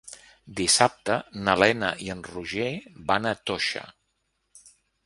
Dissabte na Lena i en Roger van a Toixa.